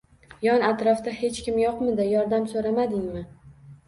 Yon-atrofda hech kim yo`qmidi, yordam so`ramadingmi